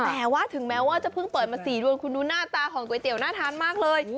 แต่ว่าถึงแม้ว่าจะเพิ่งเปิดมา๔เดือนคุณดูหน้าตาของก๋วยเตี๋ยวน่าทานมากเลย